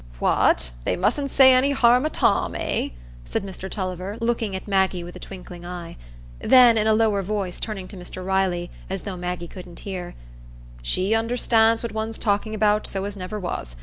"What! they mustn't say any harm o' Tom, eh?" said Mr Tulliver, looking at Maggie with a twinkling eye. Then, in a lower voice, turning to Mr Riley, as though Maggie couldn't hear, "She understands what one's talking about so as never was.